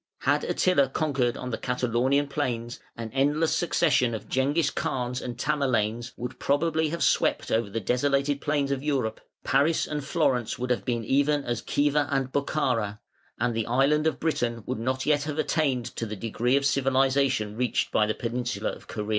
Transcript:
Had Attila conquered on the Catalaunian plains, an endless succession of Jenghiz Khans and Tamerlanes would probably have swept over the desolated plains of Europe; Paris and Florence would have been even as Khiva and Bokhara, and the island of Britain would not have yet attained to the degree of civilisation reached by the peninsula of Corea.